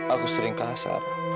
aku sering kasar